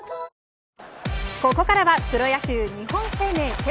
ここからプロ野球日本生命セ